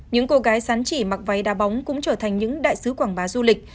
những cô gái sán chỉ mặc váy đa bóng cũng trở thành những đại sứ quảng bá du lịch